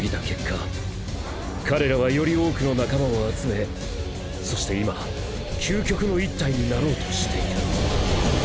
結果彼らはより多くの仲間を集めそして今究極の１体になろうとしている。